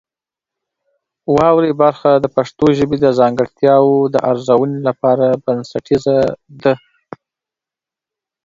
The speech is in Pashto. واورئ برخه د پښتو ژبې د ځانګړتیاوو د ارزونې لپاره بنسټیزه ده.